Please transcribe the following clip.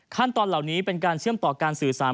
เหล่านี้เป็นการเชื่อมต่อการสื่อสาร